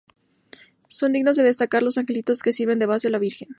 Son dignos de destacar los angelitos que sirven de base a la Virgen.